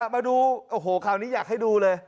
มาดูโอ้โหคราวนี้อยากให้ดูเลย